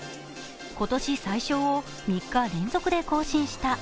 今年最少を３日連続で更新した。